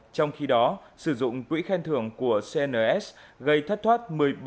trong khi đó sử dụng quỹ khen thưởng của cns gây thất thoát